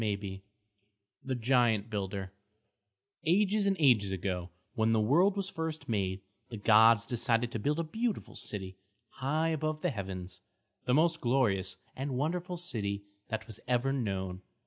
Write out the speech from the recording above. CHAPTER XI THE GIANT BUILDER Ages and ages ago, when the world was first made, the gods decided to build a beautiful city high above the heavens, the most glorious and wonderful city that ever was known.